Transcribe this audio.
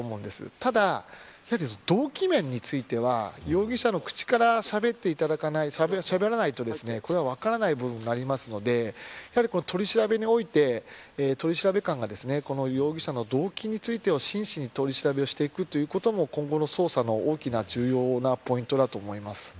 ただ、動機面については容疑者の口から、しゃべらないとこれは分からない部分になるのでやはり、取り調べにおいて取調官が容疑者の動機についてを真摯に取り調べをしていくということも今後の捜査の大きな重要なポイントだと思います。